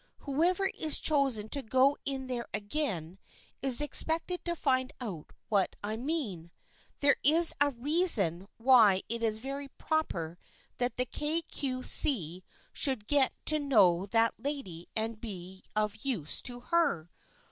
Who ever is chosen to go in there again is expected to find out what I mean. There is a reason why it is very proper that the Kay Cue See should get to know that lady and be of use to her.